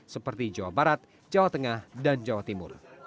seperti jawa barat jawa tengah dan jawa timur